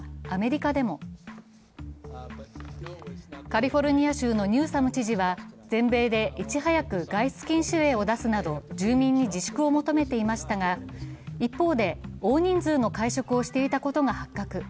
カリフォルニア州のニューサム知事は全米でいち早く外出禁止令を出すなど住民に自粛を求めていましたが一方で、大人数の会食をしていたことが発覚。